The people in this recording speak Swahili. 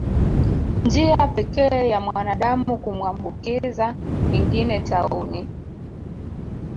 Njia pekee ya mwanadamu kumwambukiza mwingine tauni